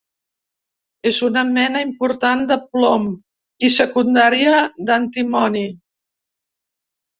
És una mena important de plom, i secundària d'antimoni.